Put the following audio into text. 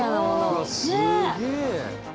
うわすげえ。